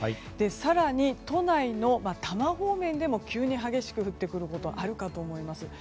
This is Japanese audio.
更に、都内の多摩方面でも急に激しく降ってくることがあるかと思います。